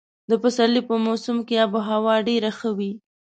د پسرلي په موسم کې اب هوا ډېره ښه وي.